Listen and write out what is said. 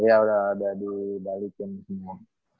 iya udah di balikin semua